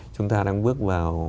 chúng ta đang bước vào